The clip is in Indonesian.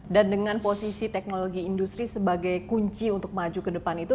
dan dengan posisi teknologi industri sebagai kunci untuk maju ke depan itu